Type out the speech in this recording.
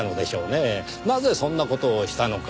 なぜそんな事をしたのか。